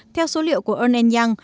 theo số liệu của unenyang